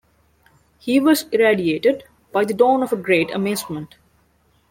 He was irradiated by the dawn of a great amazement.